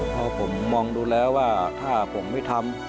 เพราะผมมองดูแล้วว่าถ้าผมไม่ทำ